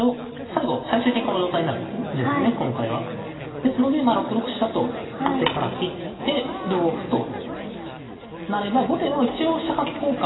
ですのでまあ６六飛車と後手から切って同歩となれば後手も一応飛車角交換